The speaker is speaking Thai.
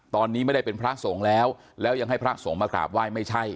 ตอนนี้ไม่ได้เป็นพระสงฆ์แล้วแล้วยังให้พระสงฆ์มากราบไหว้ไม่ใช่